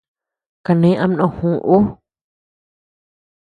Kané ama ndógü ú.